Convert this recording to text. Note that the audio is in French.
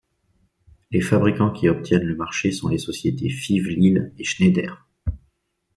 Les fabricants qui obtiennent le marché sont les sociétés Fives-Lille et Schneider.